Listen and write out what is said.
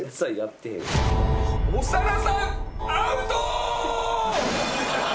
長田さんアウト！